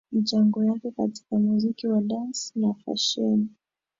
Michango yake katika muziki wa dansi na fasheni